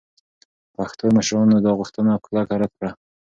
پښتنو مشرانو دا غوښتنه په کلکه رد کړه.